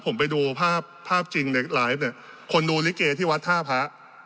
ผมไปดูภาพภาพจริงในไลฟ์เนี่ยคนดูลิเกที่วัดท่าพระ